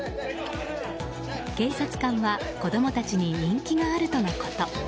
警察官は子供たちに人気があるとのこと。